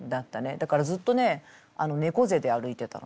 だからずっとね猫背で歩いてた。